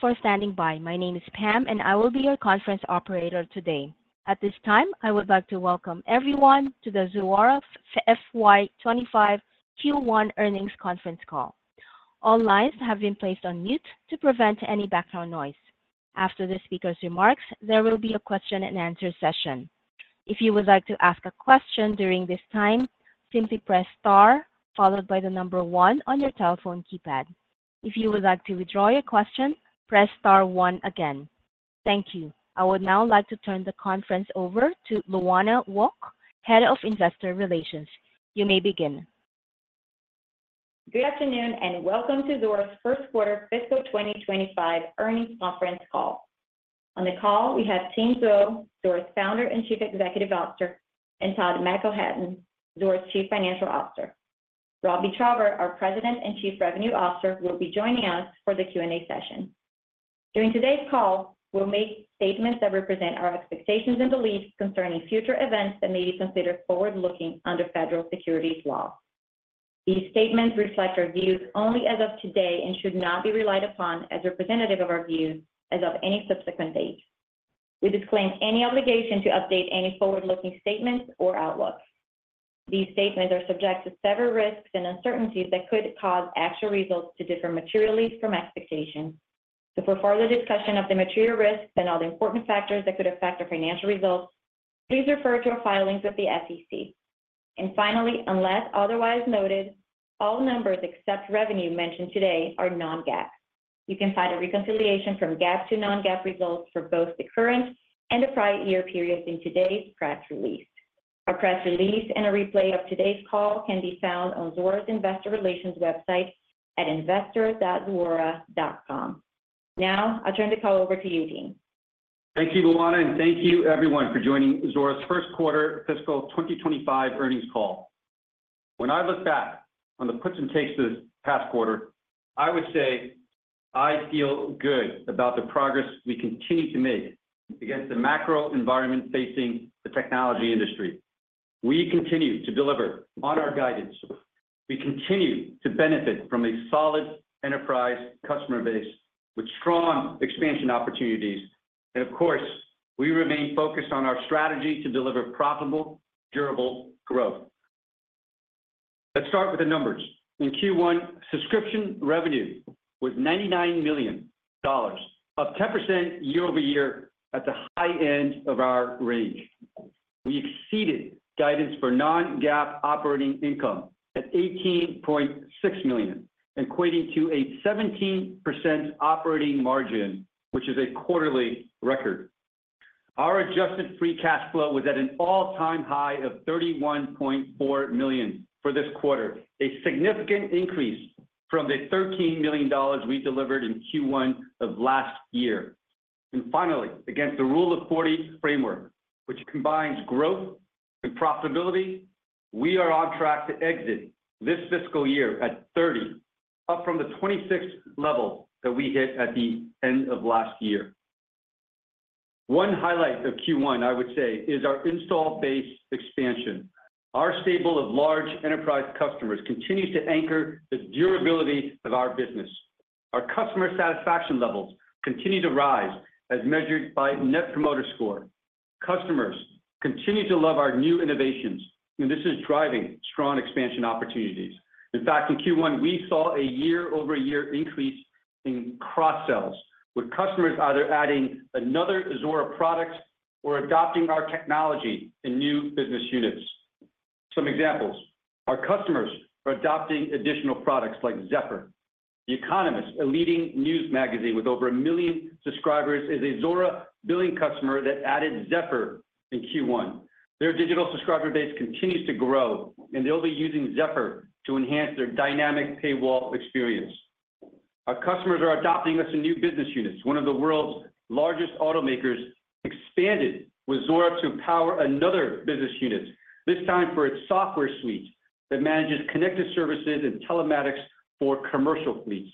For standing by. My name is Pam, and I will be your conference operator today. At this time, I would like to welcome everyone to the Zuora FY 25 Q1 Earnings Conference Call. All lines have been placed on mute to prevent any background noise. After the speaker's remarks, there will be a question and answer session. If you would like to ask a question during this time, simply press Star followed by the number one on your telephone keypad. If you would like to withdraw your question, press Star one again. Thank you. I would now like to turn the conference over to Luana Wolk, Head of Investor Relations. You may begin. Good afternoon, and welcome to Zuora's first quarter fiscal 2025 earnings conference call. On the call, we have Tien Tzuo, Zuora's Founder and Chief Executive Officer, and Todd McElhatton, Zuora's Chief Financial Officer. Robbie Traube, our President and Chief Revenue Officer, will be joining us for the Q&A session. During today's call, we'll make statements that represent our expectations and beliefs concerning future events that may be considered forward-looking under federal securities law. These statements reflect our views only as of today and should not be relied upon as representative of our views as of any subsequent date. We disclaim any obligation to update any forward-looking statements or outlooks. These statements are subject to several risks and uncertainties that could cause actual results to differ materially from expectations. For further discussion of the material risks and all the important factors that could affect our financial results, please refer to our filings with the SEC. And finally, unless otherwise noted, all numbers except revenue mentioned today are non-GAAP. You can find a reconciliation from GAAP to non-GAAP results for both the current and the prior year periods in today's press release. Our press release and a replay of today's call can be found on Zuora's Investor Relations website at investor.zuora.com. Now, I'll turn the call over to you, Tien. Thank you, Luana, and thank you everyone for joining Zuora's First Quarter FY 25 Earnings Call. When I look back on the puts and takes this past quarter, I would say I feel good about the progress we continue to make against the macro environment facing the technology industry. We continue to deliver on our guidance. We continue to benefit from a solid enterprise customer base with strong expansion opportunities, and of course, we remain focused on our strategy to deliver profitable, durable growth. Let's start with the numbers. In Q1, subscription revenue was $99 million, up 10% year-over-year at the high end of our range. We exceeded guidance for non-GAAP operating income at $18.6 million, equating to a 17% operating margin, which is a quarterly record. Our adjusted free cash flow was at an all-time high of $31.4 million for this quarter, a significant increase from the $13 million we delivered in Q1 of last year. And finally, against the Rule of Forty framework, which combines growth and profitability, we are on track to exit this fiscal year at 30, up from the 26 level that we hit at the end of last year. One highlight of Q1, I would say, is our install base expansion. Our stable of large enterprise customers continues to anchor the durability of our business. Our customer satisfaction levels continue to rise as measured by Net Promoter Score. Customers continue to love our new innovations, and this is driving strong expansion opportunities. In fact, in Q1, we saw a year-over-year increase in cross-sells, with customers either adding another Zuora product or adopting our technology in new business units. Some examples, our customers are adopting additional products like Zephr. The Economist, a leading news magazine with over a million subscribers, is a Zuora Billing customer that added Zephr in Q1. Their digital subscriber base continues to grow, and they'll be using Zephr to enhance their dynamic paywall experience. Our customers are adopting us in new business units. One of the world's largest automakers expanded with Zuora to power another business unit, this time for its software suite that manages connected services and telematics for commercial fleets.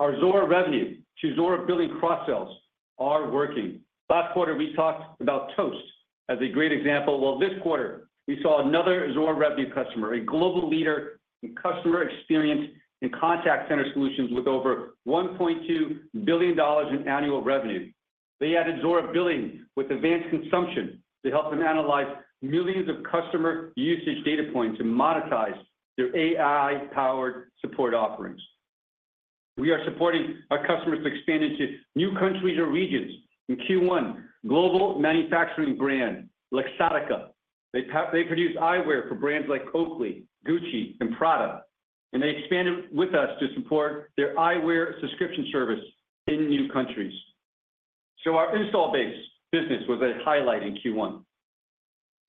Our Zuora Revenue to Zuora Billing cross-sells are working. Last quarter, we talked about Toast as a great example. Well, this quarter, we saw another Zuora Revenue customer, a global leader in customer experience and contact center solutions with over $1.2 billion in annual revenue. They added Zuora Billing with advanced consumption to help them analyze millions of customer usage data points and monetize their AI-powered support offerings. We are supporting our customers to expand into new countries or regions. In Q1, global manufacturing brand, Luxottica, they produce eyewear for brands like Oakley, Gucci, and Prada, and they expanded with us to support their eyewear subscription service in new countries. So our install base business was a highlight in Q1.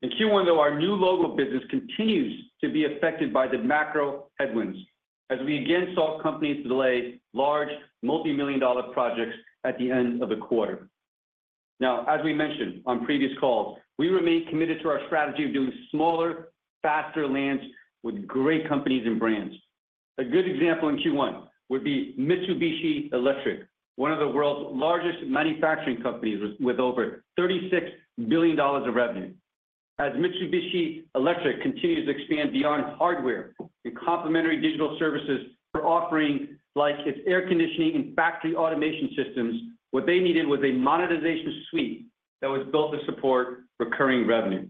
In Q1, though, our new logo business continues to be affected by the macro headwinds as we again saw companies delay large, multi-million dollar projects at the end of the quarter. Now, as we mentioned on previous calls, we remain committed to our strategy of doing smaller, faster lands with great companies and brands. A good example in Q1 would be Mitsubishi Electric, one of the world's largest manufacturing companies, with over $36 billion of revenue. As Mitsubishi Electric continues to expand beyond hardware and complementary digital services for offering, like its air conditioning and factory automation systems, what they needed was a monetization suite that was built to support recurring revenue.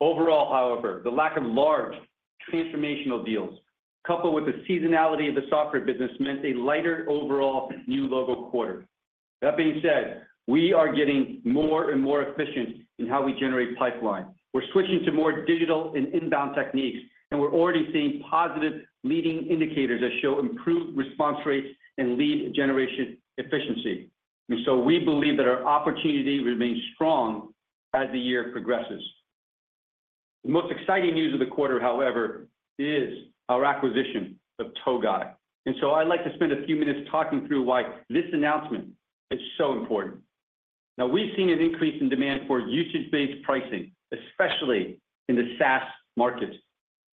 Overall, however, the lack of large transformational deals, coupled with the seasonality of the software business, meant a lighter overall new logo quarter. That being said, we are getting more and more efficient in how we generate pipeline. We're switching to more digital and inbound techniques, and we're already seeing positive leading indicators that show improved response rates and lead generation efficiency. And so we believe that our opportunity remains strong as the year progresses. The most exciting news of the quarter, however, is our acquisition of Togai. I'd like to spend a few minutes talking through why this announcement is so important. Now, we've seen an increase in demand for usage-based pricing, especially in the SaaS market.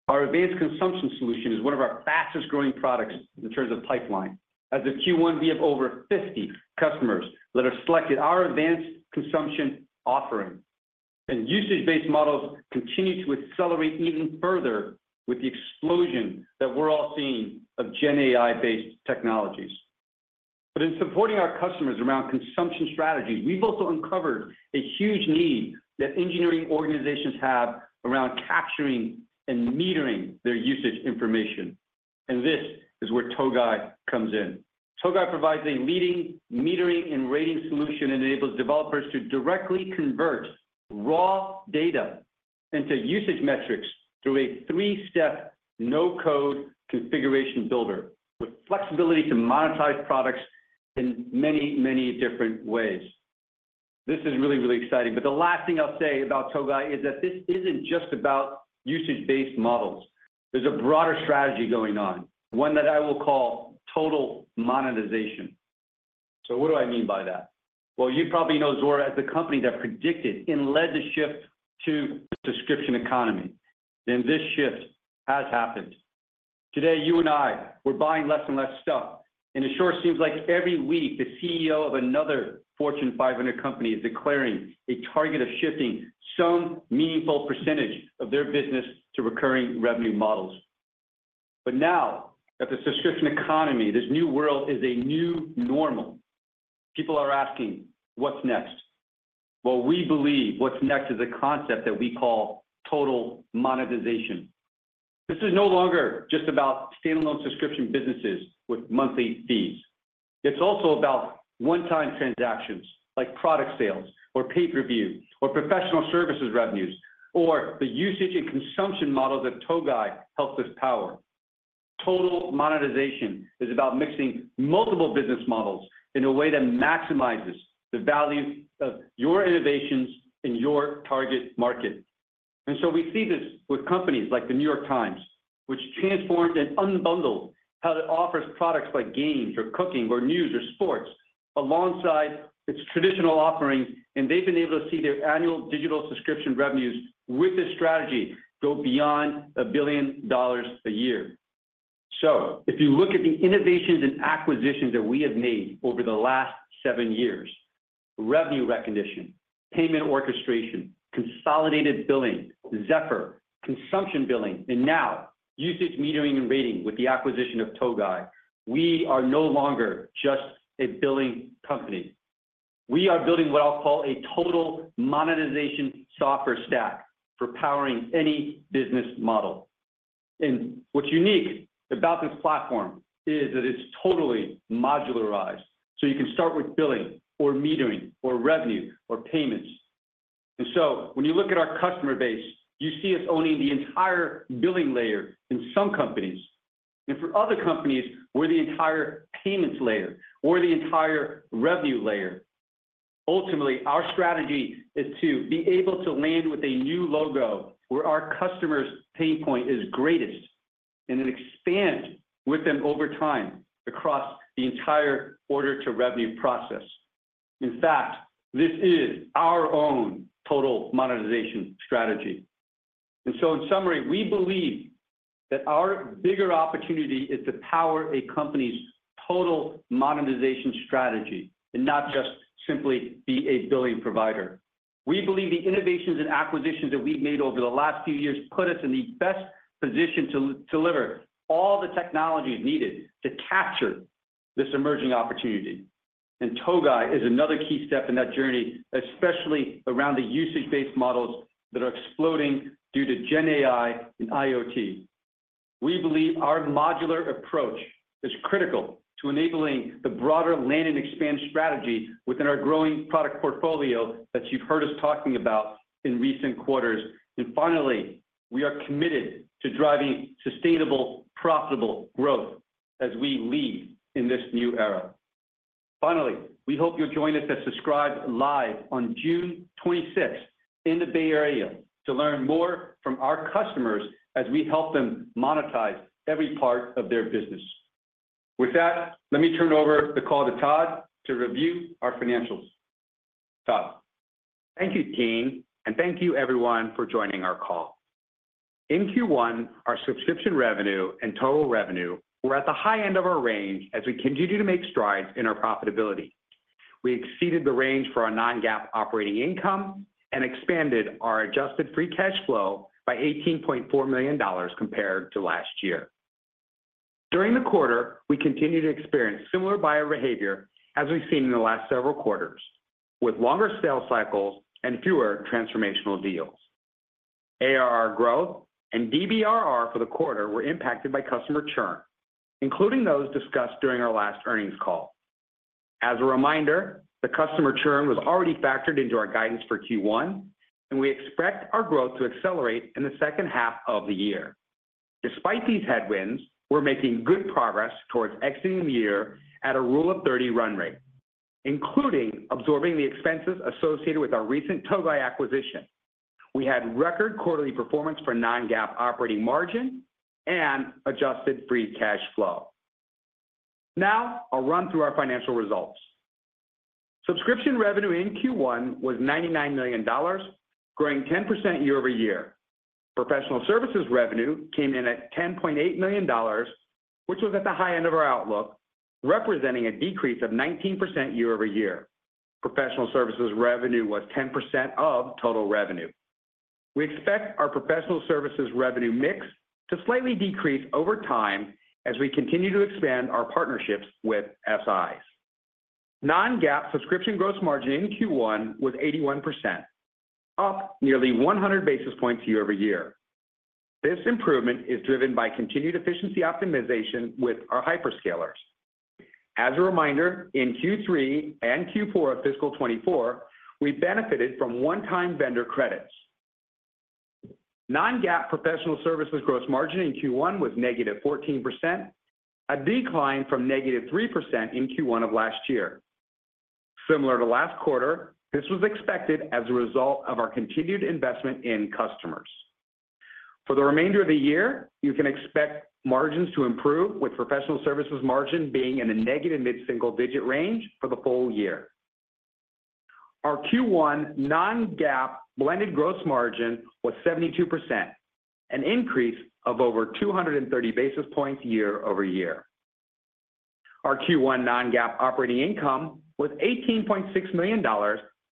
Our advanced consumption solution is one of our fastest-growing products in terms of pipeline. As of Q1, we have over 50 customers that have selected our advanced consumption offering, and usage-based models continue to accelerate even further with the explosion that we're all seeing of Gen AI-based technologies. But in supporting our customers around consumption strategies, we've also uncovered a huge need that engineering organizations have around capturing and metering their usage information. And this is where Togai comes in. Togai provides a leading metering and rating solution, enables developers to directly convert raw data into usage metrics through a three-step, no-code configuration builder, with flexibility to monetize products in many, many different ways. This is really, really exciting. But the last thing I'll say about Togai is that this isn't just about usage-based models. There's a broader strategy going on, one that I will call total monetization. So what do I mean by that? Well, you probably know Zuora as the company that predicted and led the shift to the subscription economy, and this shift has happened. Today, you and I, we're buying less and less stuff, and it sure seems like every week, the CEO of another Fortune 500 company is declaring a target of shifting some meaningful percentage of their business to recurring revenue models. But now that the subscription economy, this new world, is a new normal, people are asking, "What's next?" Well, we believe what's next is a concept that we call total monetization. This is no longer just about standalone subscription businesses with monthly fees. It's also about one-time transactions, like product sales or pay-per-view or professional services revenues, or the usage and consumption model that Togai helps us power. Total Monetization is about mixing multiple business models in a way that maximizes the value of your innovations in your target market. And so we see this with companies like The New York Times, which transformed and unbundled how it offers products like games or cooking or news or sports alongside its traditional offerings, and they've been able to see their annual digital subscription revenues with this strategy go beyond $1 billion a year. So if you look at the innovations and acquisitions that we have made over the last seven years, revenue recognition, payment orchestration, consolidated billing, Zephr, consumption billing, and now usage metering and rating with the acquisition of Togai, we are no longer just a billing company. We are building what I'll call a total monetization software stack for powering any business model. What's unique about this platform is that it's totally modularized, so you can start with billing or metering or revenue or payments. When you look at our customer base, you see us owning the entire billing layer in some companies, and for other companies, we're the entire payments layer or the entire revenue layer. Ultimately, our strategy is to be able to land with a new logo where our customer's pain point is greatest, and then expand with them over time across the entire order-to-revenue process. In fact, this is our own total monetization strategy. In summary, we believe that our bigger opportunity is to power a company's total monetization strategy and not just simply be a billing provider. We believe the innovations and acquisitions that we've made over the last few years put us in the best position to deliver all the technologies needed to capture this emerging opportunity. And Togai is another key step in that journey, especially around the usage-based models that are exploding due to Gen AI and IoT. We believe our modular approach is critical to enabling the broader land and expand strategy within our growing product portfolio that you've heard us talking about in recent quarters. And finally, we are committed to driving sustainable, profitable growth as we lead in this new era. Finally, we hope you'll join us at Subscribed Live on June 26th in the Bay Area to learn more from our customers as we help them monetize every part of their business. With that, let me turn over the call to Todd to review our financials. Todd? Thank you, Tien, and thank you, everyone, for joining our call. In Q1, our subscription revenue and total revenue were at the high end of our range as we continue to make strides in our profitability. We exceeded the range for our non-GAAP operating income and expanded our adjusted free cash flow by $18.4 million compared to last year. During the quarter, we continued to experience similar buyer behavior as we've seen in the last several quarters, with longer sales cycles and fewer transformational deals. ARR growth and DBRR for the quarter were impacted by customer churn, including those discussed during our last Earnings Call. As a reminder, the customer churn was already factored into our guidance for Q1, and we expect our growth to accelerate in the second half of the year. Despite these headwinds, we're making good progress towards exiting the year at a rule of thirty run rate, including absorbing the expenses associated with our recent Togai acquisition. We had record quarterly performance for Non-GAAP operating margin and adjusted free cash flow. Now, I'll run through our financial results. Subscription revenue in Q1 was $99 million, growing 10% year-over-year. Professional services revenue came in at $10.8 million, which was at the high end of our outlook, representing a decrease of 19% year-over-year. Professional services revenue was 10% of total revenue. We expect our professional services revenue mix to slightly decrease over time as we continue to expand our partnerships with SIs. Non-GAAP subscription gross margin in Q1 was 81%, up nearly 100 basis points year-over-year. This improvement is driven by continued efficiency optimization with our hyperscalers. As a reminder, in Q3 and Q4 of fiscal 2024, we benefited from one-time vendor credits. Non-GAAP professional services gross margin in Q1 was negative 14%, a decline from negative 3% in Q1 of last year. Similar to last quarter, this was expected as a result of our continued investment in customers. For the remainder of the year, you can expect margins to improve, with professional services margin being in a negative mid-single-digit range for the full year. Our Q1 non-GAAP blended gross margin was 72%, an increase of over 230 basis points year-over-year. Our Q1 non-GAAP operating income was $18.6 million,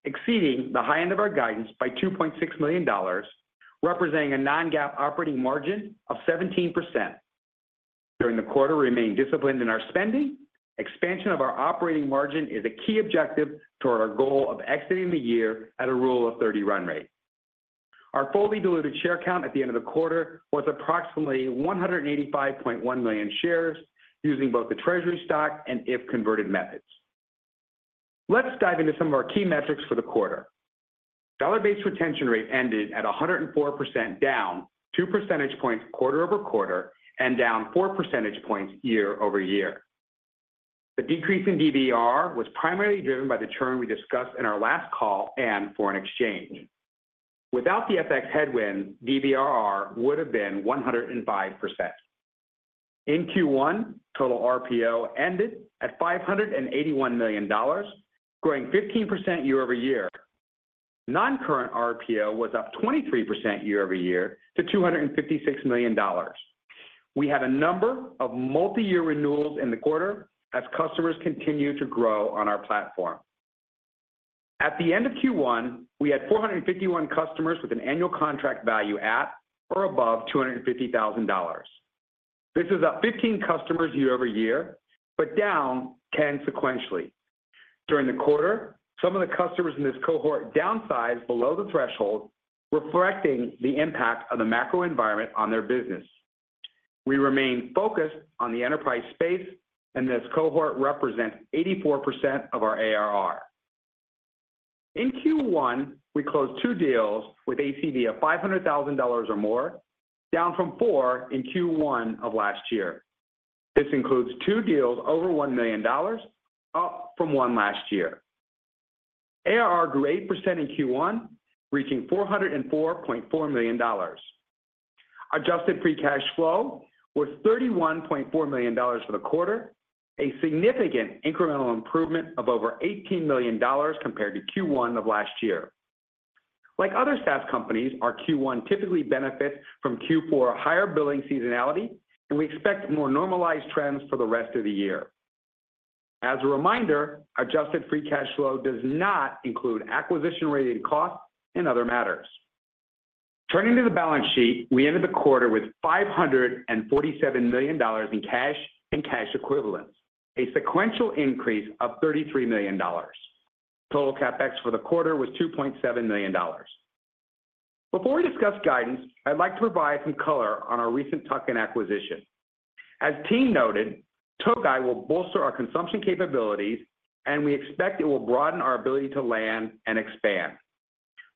exceeding the high end of our guidance by $2.6 million, representing a non-GAAP operating margin of 17%. During the quarter, we remained disciplined in our spending. Expansion of our operating margin is a key objective toward our goal of exiting the year at a rule of 30 run rate. Our fully diluted share count at the end of the quarter was approximately 185.1 million shares, using both the treasury stock and if converted methods. Let's dive into some of our key metrics for the quarter. Dollar-based retention rate ended at 104%, down 2% points quarter-over-quarter and down 4% points year-over-year. The decrease in DBR was primarily driven by the churn we discussed in our last call and foreign exchange. Without the FX headwind, DBRR would have been 105%. In Q1, total RPO ended at $581 million, growing 15% year-over-year. Non-current RPO was up 23% year-over-year to $256 million. We had a number of multiyear renewals in the quarter as customers continued to grow on our platform. At the end of Q1, we had 451 customers with an annual contract value at or above $250,000. This is up 15 customers year-over-year, but down 10 sequentially. During the quarter, some of the customers in this cohort downsized below the threshold, reflecting the impact of the macro environment on their business. We remain focused on the enterprise space, and this cohort represents 84% of our ARR. In Q1, we closed 2 deals with ACV of $500,000 or more, down from 4 in Q1 of last year. This includes 2 deals over $1 million, up from 1 last year. ARR grew 8% in Q1, reaching $404.4 million. Adjusted free cash flow was $31.4 million for the quarter, a significant incremental improvement of over $18 million compared to Q1 of last year. Like other SaaS companies, our Q1 typically benefits from Q4 higher billing seasonality, and we expect more normalized trends for the rest of the year. As a reminder, adjusted free cash flow does not include acquisition-related costs and other matters. Turning to the balance sheet, we ended the quarter with $547 million in cash and cash equivalents, a sequential increase of $33 million. Total CapEx for the quarter was $2.7 million. Before we discuss guidance, I'd like to provide some color on our recent tuck-in acquisition. As Tien noted, Togai will bolster our consumption capabilities, and we expect it will broaden our ability to land and expand.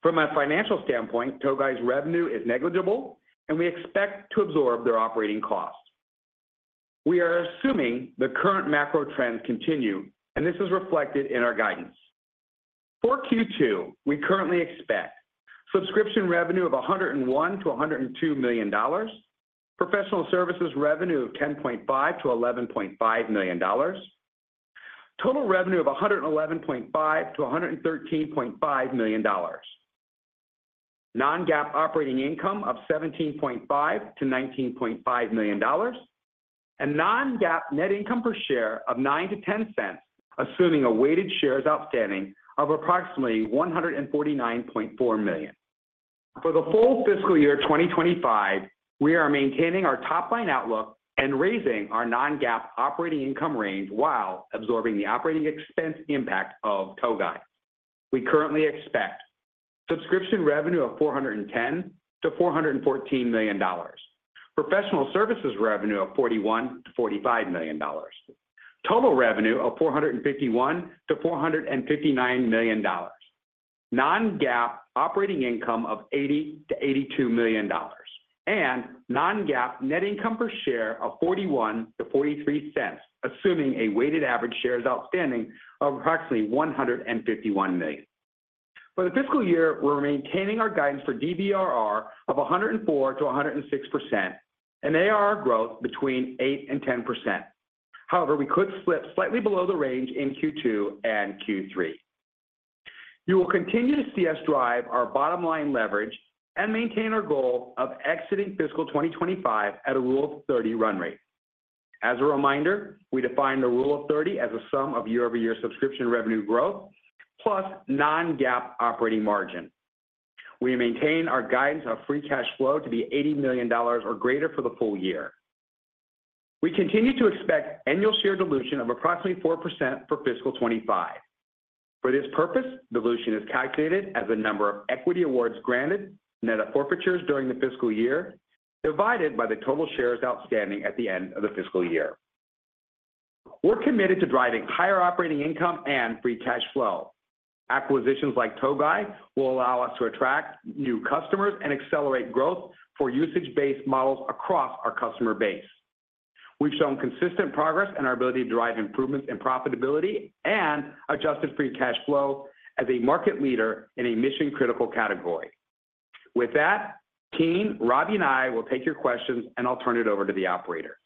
From a financial standpoint, Togai's revenue is negligible, and we expect to absorb their operating costs. We are assuming the current macro trends continue, and this is reflected in our guidance. For Q2, we currently expect subscription revenue of $101 million-$102 million, professional services revenue of $10.5 million-$11.5 million. Total revenue of $111.5 million-$113.5 million. Non-GAAP operating income of $17.5 million-$19.5 million, and non-GAAP net income per share of $0.09-$0.10, assuming a weighted shares outstanding of approximately 149.4 million. For the full fiscal year 2025, we are maintaining our top-line outlook and raising our non-GAAP operating income range while absorbing the operating expense impact of Togai. We currently expect subscription revenue of $410 million-$414 million, professional services revenue of $41 million-$45 million, total revenue of $451 million-$459 million, non-GAAP operating income of $80 million-$82 million, and non-GAAP net income per share of $0.41-$0.43, assuming a weighted average shares outstanding of approximately 151 million. For the fiscal year, we're maintaining our guidance for DBRR of 104%-106%, and ARR growth between 8% and 10%. However, we could slip slightly below the range in Q2 and Q3. You will continue to see us drive our bottom-line leverage and maintain our goal of exiting fiscal 2025 at a rule of 30 run rate. As a reminder, we define the rule of 30 as a sum of year-over-year subscription revenue growth, plus non-GAAP operating margin. We maintain our guidance of free cash flow to be $80 million or greater for the full year. We continue to expect annual share dilution of approximately 4% for fiscal 2025. For this purpose, dilution is calculated as the number of equity awards granted net of forfeitures during the fiscal year, divided by the total shares outstanding at the end of the fiscal year. We're committed to driving higher operating income and free cash flow. Acquisitions like Togai will allow us to attract new customers and accelerate growth for usage-based models across our customer base. We've shown consistent progress in our ability to drive improvements in profitability and adjusted free cash flow as a market leader in a mission-critical category. With that, Tien, Robbie and I will take your questions, and I'll turn it over to the operator.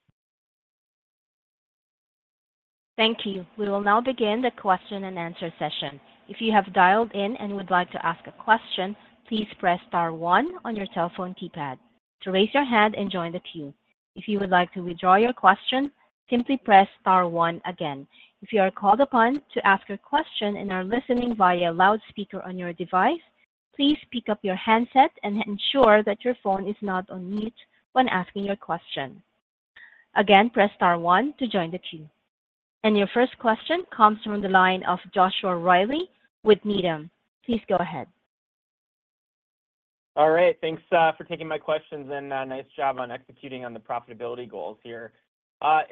Thank you. We will now begin the question and answer session. If you have dialed in and would like to ask a question, please press star one on your telephone keypad to raise your hand and join the queue. If you would like to withdraw your question, simply press star one again. If you are called upon to ask a question and are listening via loudspeaker on your device, please pick up your handset and ensure that your phone is not on mute when asking your question. Again, press star one to join the queue. Your first question comes from the line of Joshua Reilly with Needham. Please go ahead. All right, thanks, for taking my questions, and, nice job on executing on the profitability goals here.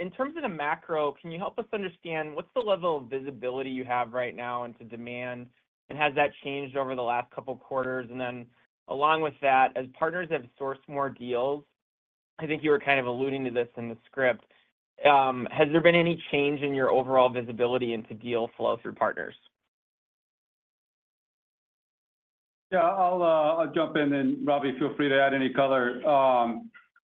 In terms of the macro, can you help us understand what's the level of visibility you have right now into demand? And has that changed over the last couple of quarters? And then along with that, as partners have sourced more deals, I think you were kind of alluding to this in the script, has there been any change in your overall visibility into deal flow through partners? Yeah, I'll jump in, and Robbie, feel free to add any color.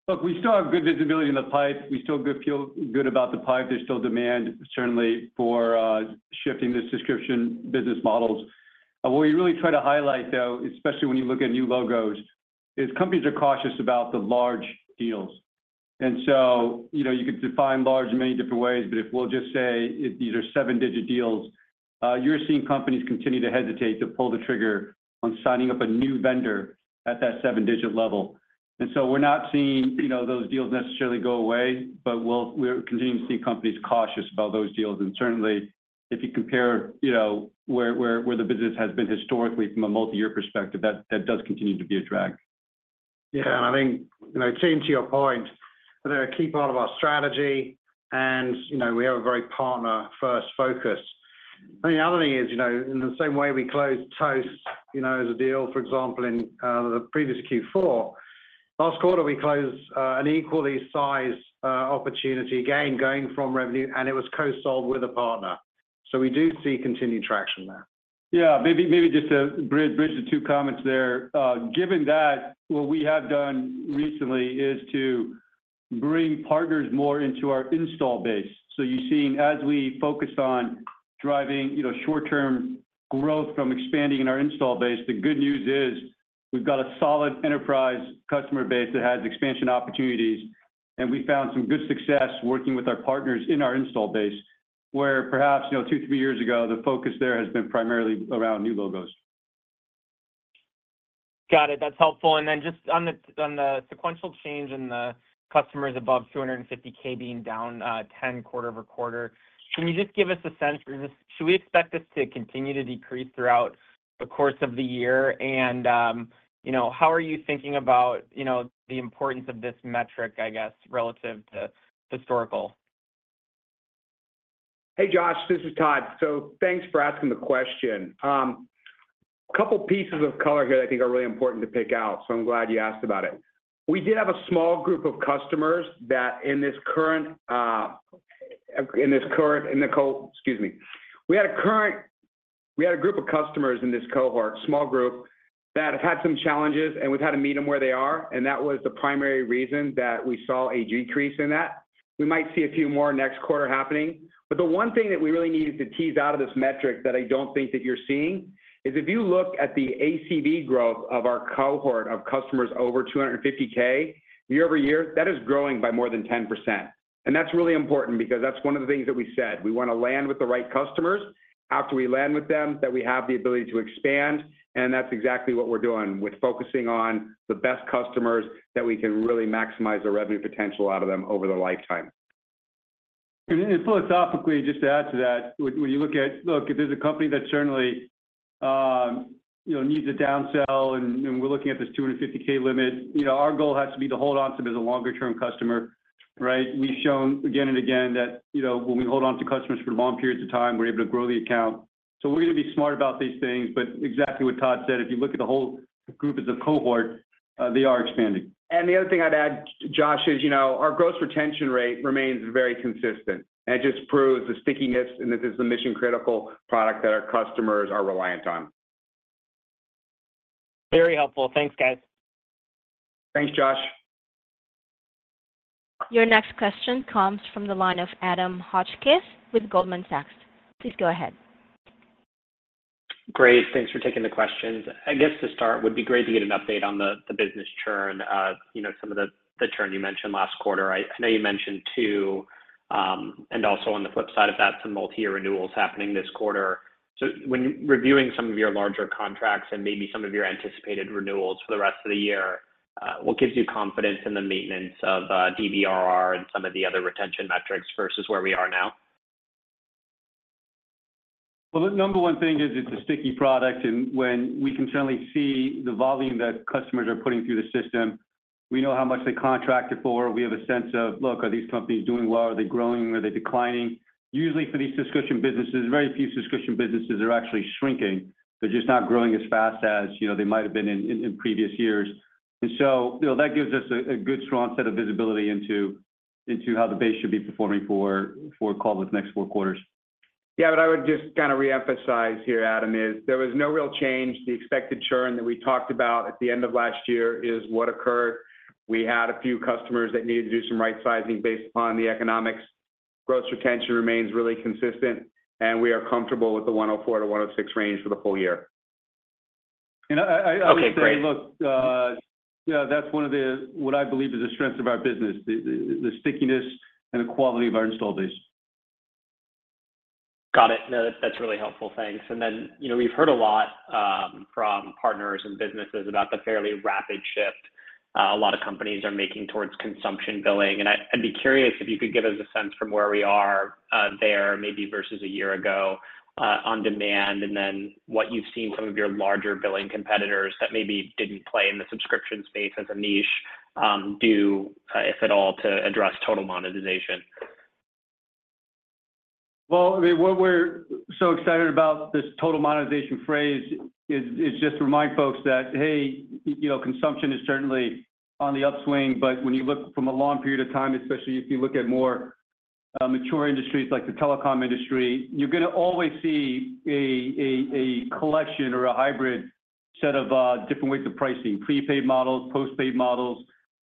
Look, we still have good visibility in the pipe. We still feel good about the pipe. There's still demand, certainly, for shifting the subscription business models. But what we really try to highlight, though, especially when you look at new logos, is companies are cautious about the large deals. And so, you know, you could define large in many different ways, but if we'll just say these are seven-digit deals, you're seeing companies continue to hesitate to pull the trigger on signing up a new vendor at that seven-digit level. And so we're not seeing, you know, those deals necessarily go away, but we're continuing to see companies cautious about those deals. And certainly, if you compare, you know, where the business has been historically from a multi-year perspective, that does continue to be a drag. Yeah, and I think, you know, team to your point, they're a key part of our strategy, and, you know, we have a very partner-first focus. I think the other thing is, you know, in the same way we closed Toast, you know, as a deal, for example, in the previous Q4, last quarter, we closed an equally sized opportunity, again, going from revenue, and it was co-sold with a partner. So we do see continued traction there. Yeah, maybe just to bridge the two comments there. Given that, what we have done recently is to bring partners more into our install base. So you're seeing as we focus on driving, you know, short-term growth from expanding in our install base, the good news is we've got a solid enterprise customer base that has expansion opportunities, and we found some good success working with our partners in our install base, where perhaps, you know, two, three years ago, the focus there has been primarily around new logos. Got it. That's helpful. Then just on the sequential change in the customers above $250K being down 10 quarter-over-quarter, can you just give us a sense for this? Should we expect this to continue to decrease throughout the course of the year? You know, how are you thinking about you know, the importance of this metric, I guess, relative to historical? Hey, Josh, this is Todd. So thanks for asking the question. A couple pieces of color here that I think are really important to pick out, so I'm glad you asked about it. We did have a small group of customers that in this current. Excuse me. We had a current- We had a group of customers in this cohort, small group, that have had some challenges, and we've had to meet them where they are, and that was the primary reason that we saw a decrease in that. We might see a few more next quarter happening, but the one thing that we really need to tease out of this metric that I don't think that you're seeing, is if you look at the ACV growth of our cohort of customers over 250K year-over-year, that is growing by more than 10%. And that's really important because that's one of the things that we said. We wanna land with the right customers. After we land with them, that we have the ability to expand, and that's exactly what we're doing. We're focusing on the best customers that we can really maximize the revenue potential out of them over the lifetime. Philosophically, just to add to that, when you look at, look, if there's a company that certainly needs a downsell, and we're looking at this $250K limit, you know, our goal has to be to hold on to them as a longer-term customer, right? We've shown again and again that, you know, when we hold on to customers for long periods of time, we're able to grow the account. So we're gonna be smart about these things, but exactly what Todd said, if you look at the whole group as a cohort, they are expanding. The other thing I'd add, Josh, is, you know, our gross retention rate remains very consistent, and it just proves the stickiness, and this is a mission-critical product that our customers are reliant on. Very helpful. Thanks, guys. Thanks, Josh. Your next question comes from the line of Adam Hotchkiss with Goldman Sachs. Please go ahead. Great, thanks for taking the questions. I guess to start, would be great to get an update on the business churn, you know, some of the churn you mentioned last quarter, right? I know you mentioned two, and also on the flip side of that, some multi-year renewals happening this quarter. So when reviewing some of your larger contracts and maybe some of your anticipated renewals for the rest of the year, what gives you confidence in the maintenance of DBRR and some of the other retention metrics versus where we are now? Well, the number one thing is it's a sticky product, and when we can certainly see the volume that customers are putting through the system, we know how much they contracted for. We have a sense of, look, are these companies doing well? Are they growing? Are they declining? Usually for these subscription businesses, very few subscription businesses are actually shrinking. They're just not growing as fast as, you know, they might have been in previous years. And so, you know, that gives us a good, strong set of visibility into how the base should be performing for the next four quarters. Yeah, but I would just kinda reemphasize here, Adam, is there was no real change. The expected churn that we talked about at the end of last year is what occurred. We had a few customers that needed to do some right sizing based upon the economics. Gross retention remains really consistent, and we are comfortable with the 104%-106% range for the full year. Okay, great. I would say, look, yeah, that's one of the, what I believe is the strength of our business, the stickiness and the quality of our install base. Got it. No, that's really helpful. Thanks. And then, you know, we've heard a lot from partners and businesses about the fairly rapid shift a lot of companies are making towards consumption billing, and I'd be curious if you could give us a sense from where we are there, maybe versus a year ago, on demand, and then what you've seen some of your larger billing competitors that maybe didn't play in the subscription space as a niche do, if at all, to address total monetization. Well, I mean, what we're so excited about this Total Monetization phase is just to remind folks that, hey, you know, consumption is certainly on the upswing, but when you look from a long period of time, especially if you look at more mature industries like the telecom industry, you're gonna always see a collection or a hybrid set of different ways of pricing, prepaid models, postpaid models,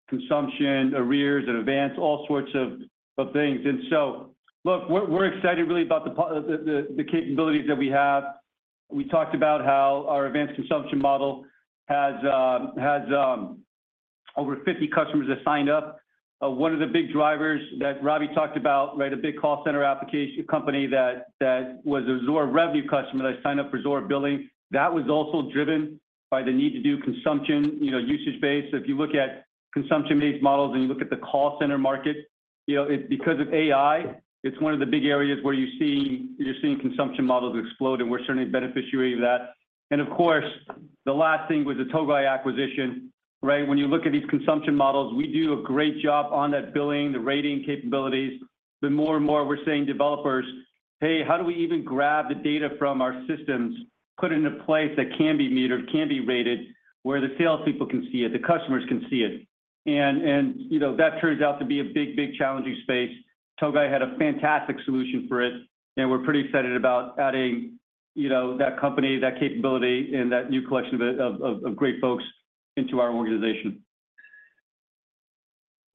consumption, arrears and advance, all sorts of things. And so, look, we're excited really about the capabilities that we have. We talked about how our advanced consumption model has over 50 customers that signed up. One of the big drivers that Robbie talked about, right, a big call center company that was a Zuora Revenue customer that signed up for Zuora Billing. That was also driven by the need to do consumption, you know, usage-based. So if you look at consumption-based models, and you look at the call center market, you know, it's because of AI, it's one of the big areas where you're seeing, you're seeing consumption models explode, and we're certainly a beneficiary of that. And of course, the last thing was the Togai acquisition, right? When you look at these consumption models, we do a great job on that billing, the rating capabilities, but more and more we're seeing developers: Hey, how do we even grab the data from our systems, put it into place that can be metered, can be rated, where the sales people can see it, the customers can see it? And, and, you know, that turns out to be a big, big challenging space. Togai had a fantastic solution for it, and we're pretty excited about adding, you know, that company, that capability, and that new collection of great folks into our organization.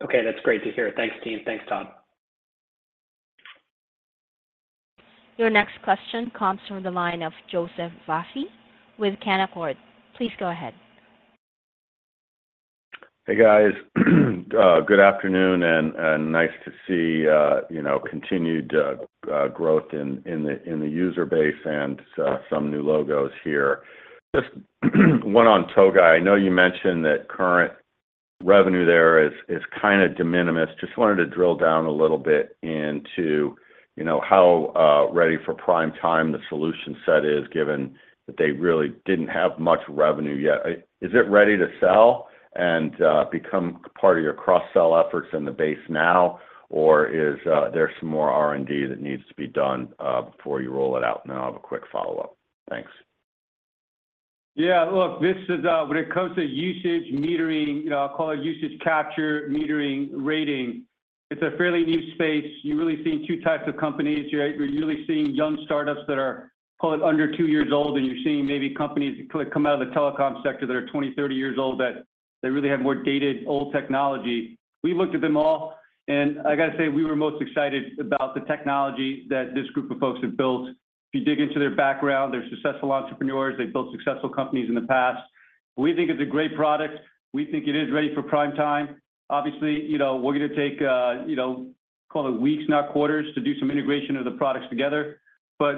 Okay. That's great to hear. Thanks, team. Thanks, Todd. Your next question comes from the line of Joseph Vafi with Canaccord. Please go ahead. Hey, guys. Good afternoon, and nice to see, you know, continued growth in the user base and some new logos here. Just one on Togai. I know you mentioned that current revenue there is kinda de minimis. Just wanted to drill down a little bit into, you know, how ready for prime time the solution set is, given that they really didn't have much revenue yet. Is it ready to sell and become part of your cross-sell efforts in the base now, or is there some more R&D that needs to be done before you roll it out? And then I'll have a quick follow-up. Thanks. Yeah, look, this is, when it comes to usage metering, you know, I'll call it usage capture, metering, rating, it's a fairly new space. You're really seeing two types of companies. You're, you're really seeing young startups that are, call it, under two years old, and you're seeing maybe companies that come out of the telecom sector that are 20, 30 years old, that they really have more dated, old technology. We looked at them all, and I got to say, we were most excited about the technology that this group of folks have built. If you dig into their background, they're successful entrepreneurs. They've built successful companies in the past. We think it's a great product. We think it is ready for prime time. Obviously, you know, we're going to take, you know, call it weeks, not quarters, to do some integration of the products together.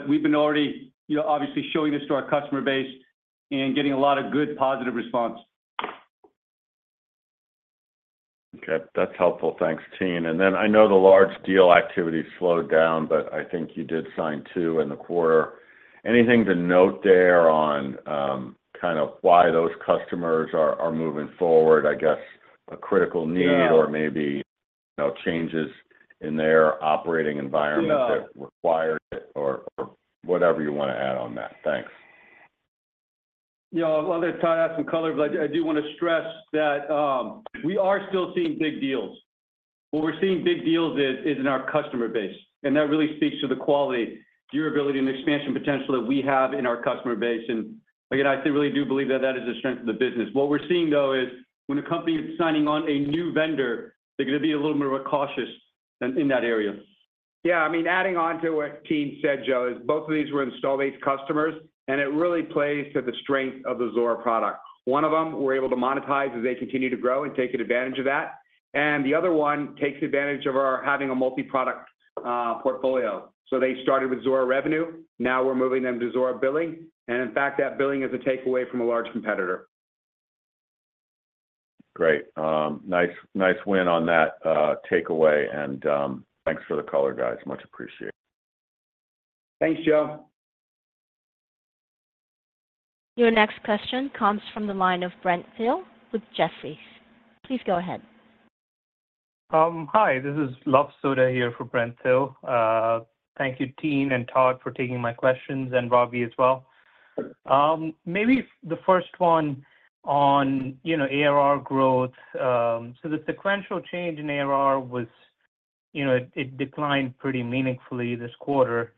We've been already, you know, obviously showing this to our customer base and getting a lot of good, positive response. Okay, that's helpful. Thanks, Tien. Then I know the large deal activity slowed down, but I think you did sign two in the quarter. Anything to note there on kind of why those customers are moving forward? I guess a critical need- Yeah or maybe, you know, changes in their operating environment- Yeah that required it or whatever you want to add on that. Thanks. Yeah, well, let Todd add some color, but I, I do want to stress that we are still seeing big deals. Where we're seeing big deals is in our customer base, and that really speaks to the quality, durability, and expansion potential that we have in our customer base. And again, I still really do believe that that is the strength of the business. What we're seeing, though, is when a company is signing on a new vendor, they're gonna be a little more cautious in that area. Yeah, I mean, adding on to what Tien said, Joe, is both of these were install base customers, and it really plays to the strength of the Zuora product. One of them we're able to monetize as they continue to grow and taking advantage of that. And the other one takes advantage of our having a multi-product portfolio. So they started with Zuora Revenue, now we're moving them to Zuora Billing. And in fact, that billing is a takeaway from a large competitor. Great. Nice, nice win on that takeaway, and thanks for the color, guys. Much appreciated. Thanks, Joe. Your next question comes from the line of Brent Thill with Jefferies. Please go ahead. Hi, this is Luv Sodha here for Brent Thill. Thank you, Tien and Todd, for taking my questions, and Ravi as well. Maybe the first one on, you know, ARR growth. So the sequential change in ARR was, you know, it, it declined pretty meaningfully this quarter.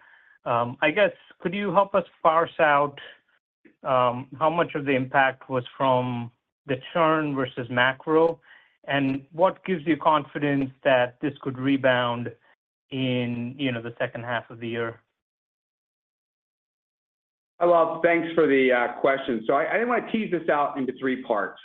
I guess, could you help us parse out, how much of the impact was from the churn versus macro? And what gives you confidence that this could rebound in, you know, the second half of the year? Hi, Luv. Thanks for the question. So I wanna tease this out into three parts.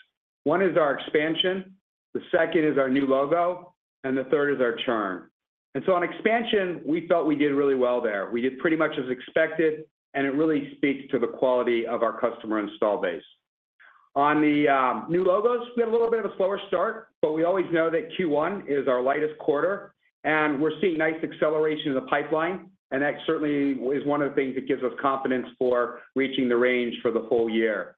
One is our expansion, the second is our new logos, and the third is our churn. And so, on expansion, we felt we did really well there. We did pretty much as expected, and it really speaks to the quality of our customer installed base. On the new logos, we had a little bit of a slower start, but we always know that Q1 is our lightest quarter, and we're seeing nice acceleration in the pipeline. And that certainly is one of the things that gives us confidence for reaching the range for the whole year.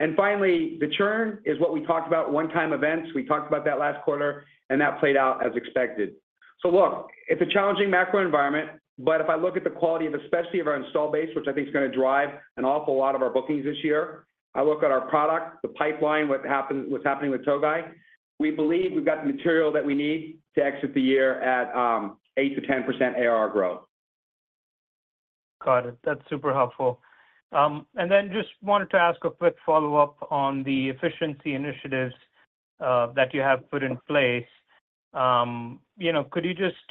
And finally, the churn is what we talked about, one-time events. We talked about that last quarter, and that played out as expected. So look, it's a challenging macro environment, but if I look at the quality of, especially of our install base, which I think is gonna drive an awful lot of our bookings this year, I look at our product, the pipeline, what happened-- what's happening with Togai, we believe we've got the material that we need to exit the year at 8%-10% ARR growth. Got it. That's super helpful. And then just wanted to ask a quick follow-up on the efficiency initiatives that you have put in place. You know, could you just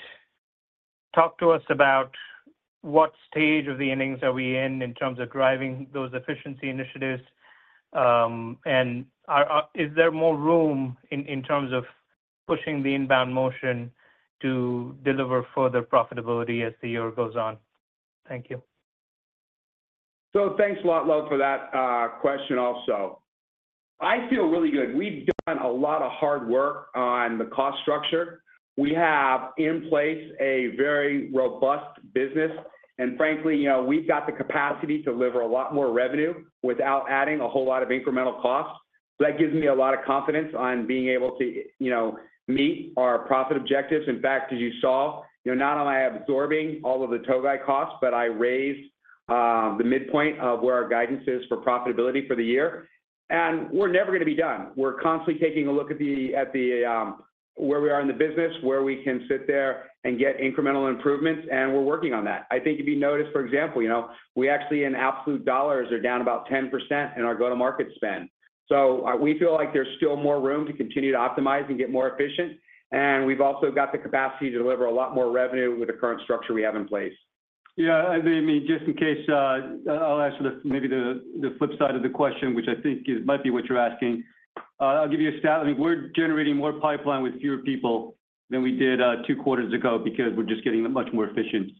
talk to us about what stage of the innings are we in, in terms of driving those efficiency initiatives? And is there more room in terms of pushing the inbound motion to deliver further profitability as the year goes on? Thank you. So thanks a lot, Luv, for that, question also. I feel really good. We've done a lot of hard work on the cost structure. We have in place a very robust business, and frankly, you know, we've got the capacity to deliver a lot more revenue without adding a whole lot of incremental costs. So that gives me a lot of confidence on being able to, you know, meet our profit objectives. In fact, as you saw, you're not only absorbing all of the Togai costs, but I raised the midpoint of where our guidance is for profitability for the year. And we're never gonna be done. We're constantly taking a look at where we are in the business, where we can sit there and get incremental improvements, and we're working on that. I think if you noticed, for example, you know, we actually, in absolute dollars, are down about 10% in our go-to-market spend. So we feel like there's still more room to continue to optimize and get more efficient, and we've also got the capacity to deliver a lot more revenue with the current structure we have in place. Yeah, I mean, just in case, I'll ask maybe the flip side of the question, which I think might be what you're asking. I'll give you a stat. I mean, we're generating more pipeline with fewer people than we did two quarters ago because we're just getting much more efficient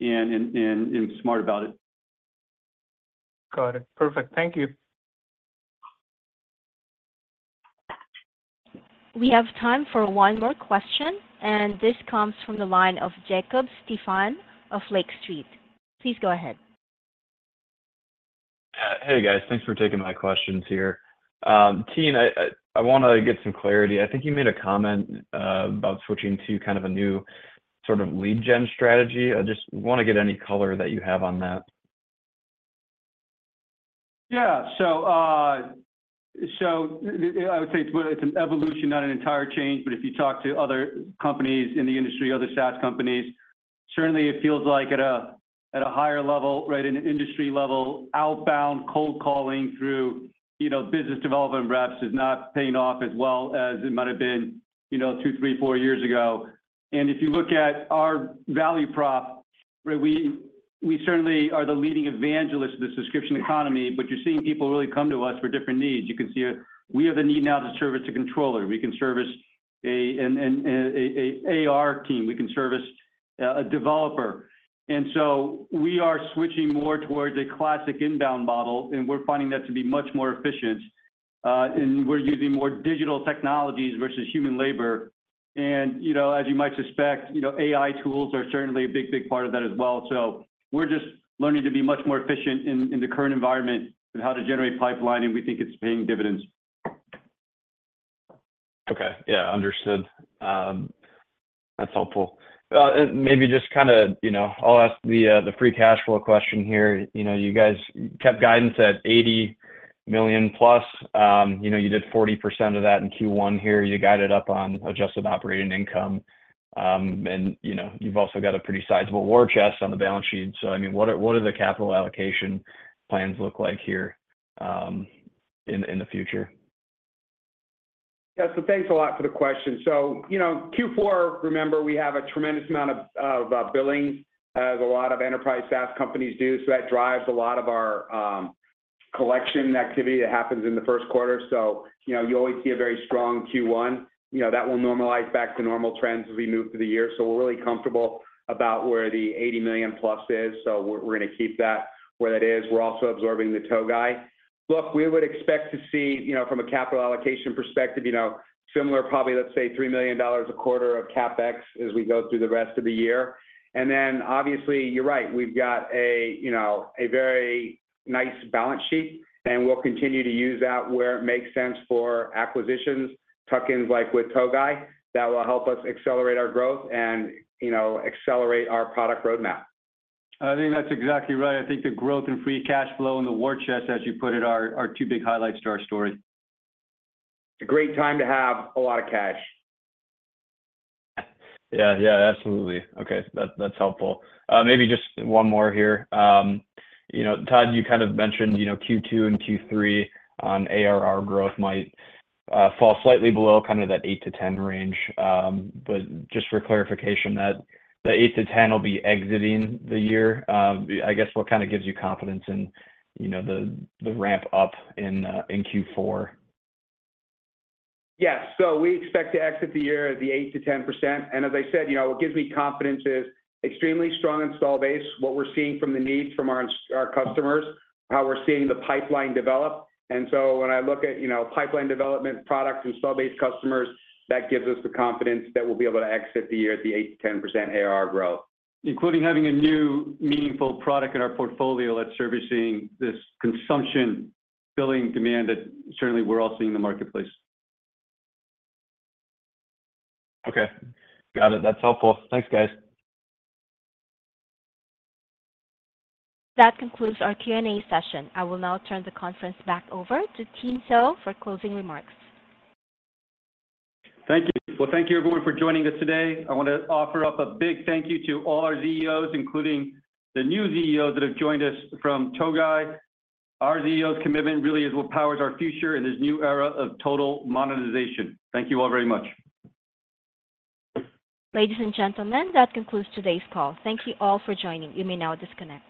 and smart about it. Got it. Perfect. Thank you. We have time for one more question, and this comes from the line of Jacob Stephan of Lake Street. Please go ahead. Hey, guys. Thanks for taking my questions here. Tien, I wanna get some clarity. I think you made a comment about switching to kind of a new sort of lead gen strategy? I just wanna get any color that you have on that. Yeah. So, I would say it's an evolution, not an entire change, but if you talk to other companies in the industry, other SaaS companies, certainly it feels like at a higher level, right, in an industry level, outbound cold calling through, you know, business development reps is not paying off as well as it might have been, you know, two, three, four years ago. And if you look at our value prop, right, we certainly are the leading evangelist of the subscription economy, but you're seeing people really come to us for different needs. You can see we have the need now to service a controller. We can service an AR team, we can service a developer. And so we are switching more towards a classic inbound model, and we're finding that to be much more efficient. We're using more digital technologies versus human labor. You know, as you might suspect, you know, AI tools are certainly a big, big part of that as well. We're just learning to be much more efficient in the current environment and how to generate pipeline, and we think it's paying dividends. Okay. Yeah, understood. That's helpful. Maybe just kinda, you know, I'll ask the free cash flow question here. You know, you guys kept guidance at $80+ million. You know, you did 40% of that in Q1 here. You guided up on adjusted operating income. And, you know, you've also got a pretty sizable war chest on the balance sheet. So, I mean, what are the capital allocation plans look like here, in the future? Yeah. So thanks a lot for the question. So, you know, Q4, remember, we have a tremendous amount of billing, as a lot of enterprise SaaS companies do. So that drives a lot of our collection activity that happens in the first quarter. So, you know, you always see a very strong Q1. You know, that will normalize back to normal trends as we move through the year. So we're really comfortable about where the $80 million plus is, so we're, we're gonna keep that where that is. We're also absorbing the Togai. Look, we would expect to see, you know, from a capital allocation perspective, you know, similar, probably, let's say, $3 million a quarter of CapEx as we go through the rest of the year. And then, obviously, you're right, we've got a, you know, a very nice balance sheet, and we'll continue to use that where it makes sense for acquisitions, tuck-ins, like with Togai, that will help us accelerate our growth and, you know, accelerate our product roadmap. I think that's exactly right. I think the growth in free cash flow and the war chest, as you put it, are two big highlights to our story. It's a great time to have a lot of cash. Yeah. Yeah, absolutely. Okay, that, that's helpful. Maybe just one more here. You know, Todd, you kind of mentioned, you know, Q2 and Q3 on ARR growth might fall slightly below kinda that 8%-10% range. But just for clarification, that the 8%-10% will be exiting the year. I guess, what kinda gives you confidence in, you know, the, the ramp up in Q4? Yes. So we expect to exit the year at 8%-10%. And as I said, you know, what gives me confidence is extremely strong installed base, what we're seeing from the needs from our customers, how we're seeing the pipeline develop. And so when I look at, you know, pipeline development, products, installed base customers, that gives us the confidence that we'll be able to exit the year at the 8%-10% ARR growth. Including having a new meaningful product in our portfolio that's servicing this consumption billing demand that certainly we're all seeing in the marketplace. Okay. Got it. That's helpful. Thanks, guys. That concludes our Q&A session. I will now turn the conference back over to Tien Tzuo for closing remarks. Thank you. Well, thank you everyone for joining us today. I wanna offer up a big thank you to all our CEOs, including the new CEOs that have joined us from Togai. Our CEOs' commitment really is what powers our future in this new era of total monetization. Thank you all very much. Ladies and gentlemen, that concludes today's call. Thank you all for joining. You may now disconnect.